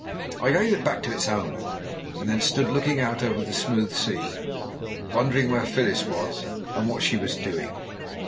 I gave it back to its owner, and then stood looking out over the smooth sea, wondering where Phyllis was and what she was doing.